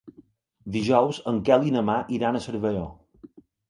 Dijous en Quel i na Mar iran a Cervelló.